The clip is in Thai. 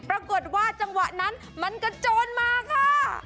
ปรากฏว่าจังหวะนั้นมันกระโจนมาค่ะ